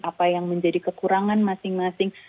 apa yang menjadi kekurangan masing masing